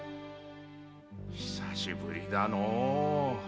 久しぶりだのう。